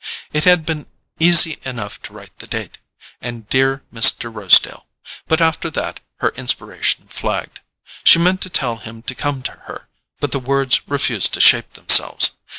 It had been easy enough to write the date, and "Dear Mr. Rosedale"—but after that her inspiration flagged. She meant to tell him to come to her, but the words refused to shape themselves.